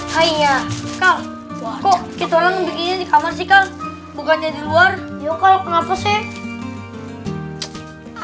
hai hai ya kau kok kita nge review kamar sih kan bukannya di luar yo kalau kenapa sih